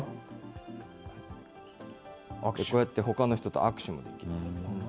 こうやってほかの人と握手もできます。